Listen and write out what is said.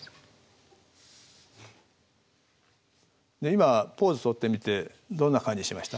今ポーズとってみてどんな感じしました？